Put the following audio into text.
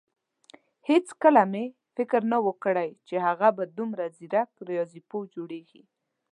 هيڅکله مې فکر نه وو کړی چې هغه به دومره ځيرک رياضيپوه جوړېږي.